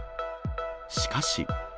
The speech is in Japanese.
しかし。